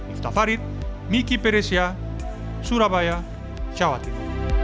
iftafarit miki peresia surabaya cawatin